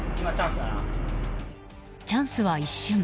チャンスは一瞬。